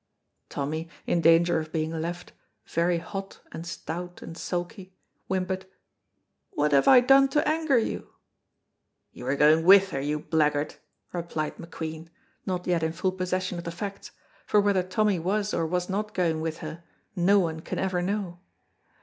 Tommy, in danger of being left, very hot and stout and sulky, whimpered, "What have I done to anger you?" "You were going with her, you blackguard," replied McQueen, not yet in full possession of the facts, for whether Tommy was or was not going with her no one can ever know.